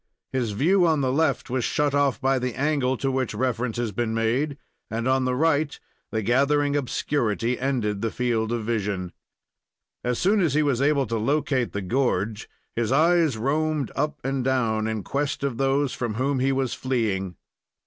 His view on the left was shut off by the angle to which reference has been made, and on the right the gathering obscurity ended the field of vision. As soon as he was able to locate the gorge, his eyes roamed up and down in quest of those from whom he was fleeing.